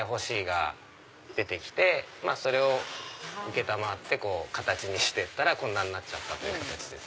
が出て来てそれを承って形にして行ったらこんなんなっちゃったという。